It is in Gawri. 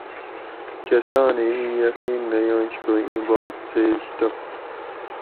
کۤسانی اِیں یقین نہ ینش کو اِیں بات سیچ تہ